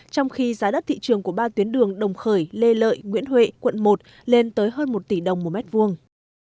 trong khi giá đất thị trường của ba tuyến đường đồng khởi lê lợi nguyễn huệ quận một lên tới hơn một tỷ đồng một mét vuông